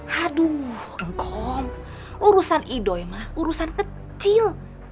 haduh engkau urusan idoi mah urusan kecil